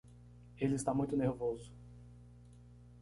Ele está muito nervoso.